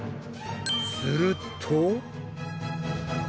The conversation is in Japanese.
すると。